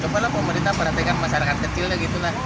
coba lah pemerintah perhatikan masyarakat kecilnya gitu lah